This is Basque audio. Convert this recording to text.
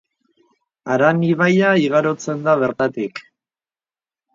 Aran ibaia igarotzen da bertatik.